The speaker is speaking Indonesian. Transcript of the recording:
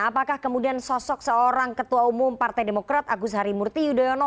apakah kemudian sosok seorang ketua umum partai demokrat agus harimurti yudhoyono